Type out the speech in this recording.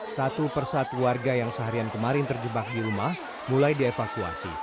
satu persatu warga yang seharian kemarin terjebak di rumah mulai dievakuasi